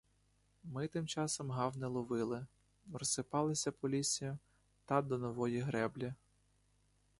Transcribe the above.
Ми тим часом гав не ловили, розсипалися по лісі та до нової греблі.